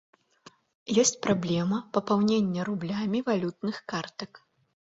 Ёсць праблема папаўнення рублямі валютных картак.